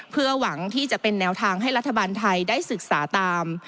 เพื่อหวังที่จะเป็นแนวทางให้รัฐบาลไทยได้ศึกษาตาม